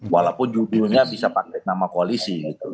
walaupun judulnya bisa pakai nama koalisi gitu